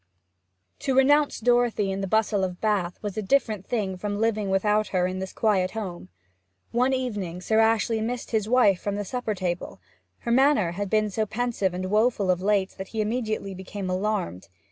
To renounce Dorothy in the bustle of Bath was a different thing from living without her in this quiet home. One evening Sir Ashley missed his wife from the supper table; her manner had been so pensive and woeful of late that he immediately became alarmed.